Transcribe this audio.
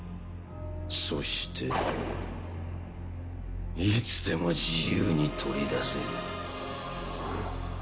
そしていつでも自由に取り出せる。